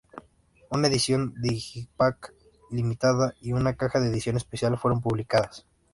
Una edición digipak limitada y una caja de edición especial fueron publicadas.